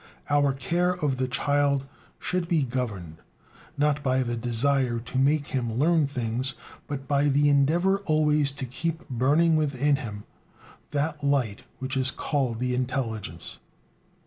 Our care of the child should be governed, not by the desire "to make him learn things," but by the endeavor always to keep burning within him that light which is called the intelligence.